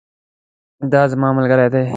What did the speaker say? دا زما ملګری دی